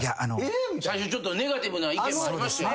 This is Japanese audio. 最初ちょっとネガティブな意見もありましたよね。